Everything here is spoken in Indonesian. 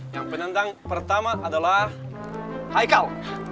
yang penendang pertama adalah hikal